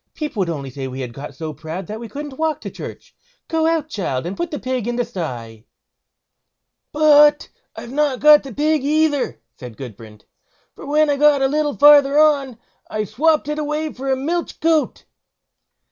People would only say we had got so proud that we couldn't walk to church. Go out, child, and put up the pig in the sty." "But I've not got the pig either", said Gudbrand; "for when I got a little farther on, I swopped it away for a milch goat."